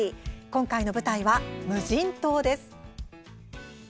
今回の舞台は無人島です。